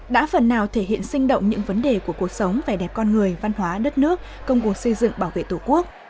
đã phần nào thể hiện sinh động những vấn đề của cuộc sống về đẹp con người văn hóa đất nước công cuộc xây dựng bảo vệ tổ quốc